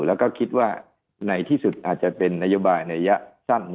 แล้วก็คิดว่าในที่สุดอาจจะเป็นนโยบายในระยะสั้น